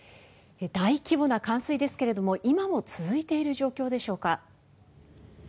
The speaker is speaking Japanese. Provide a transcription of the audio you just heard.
大規模な冠水ですが今も続いている状況でしょうか。